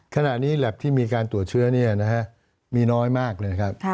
ขณะนี้แหลบที่มีการตรวจเชื้อเนี่ยนะฮะมีน้อยมากเลยนะครับ